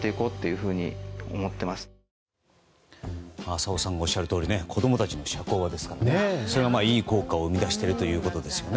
浅尾さんがおっしゃるとおり子供たちの社交場ですからそれがいい効果を生み出しているということですね。